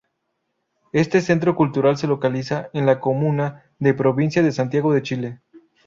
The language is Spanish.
Este centro cultural se localiza en la comuna de Providencia de Santiago de Chile.